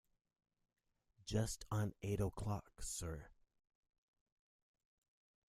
Just on eight o'clock, sir.